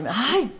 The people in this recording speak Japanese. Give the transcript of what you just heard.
はい。